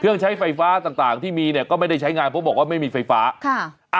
ใช้ไฟฟ้าต่างที่มีเนี่ยก็ไม่ได้ใช้งานเพราะบอกว่าไม่มีไฟฟ้าค่ะ